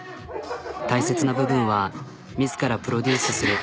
大切な部分は自らプロデュースする。